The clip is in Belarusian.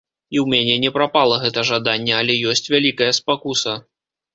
І ў мяне не прапала гэта жаданне, але ёсць вялікая спакуса.